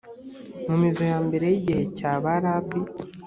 mu mizo ya mbere y igihe cya ba rabi